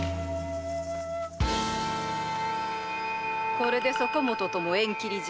これでそこ許とも縁切りじゃ。